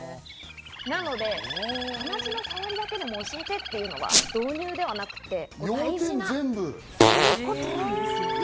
なので、話をさわりだけでも教えて？っていうのは、導入ではなくて、要点ということなんです。